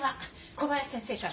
小林先生から。